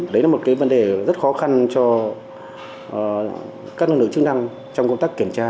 đấy là một cái vấn đề rất khó khăn cho các lực lượng chức năng trong công tác kiểm tra